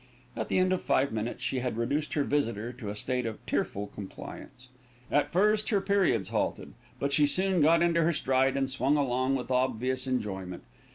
At the end of five minutes she had reduced her visitor to a state of tearful compliance. At first her periods halted; but she soon got into her stride and swung along with obvious enjoyment.